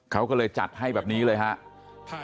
เขาก็เลยจัดให้แบบนี้เลยครับ